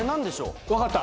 分かった。